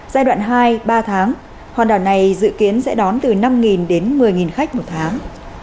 giai đoạn hai ba tháng hòn đảo này dự kiến sẽ đón từ năm đến một mươi khách một tháng